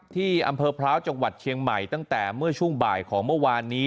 ที่อำเภอพร้าวจังหวัดเชียงใหม่ตั้งแต่เมื่อช่วงบ่ายของเมื่อวานนี้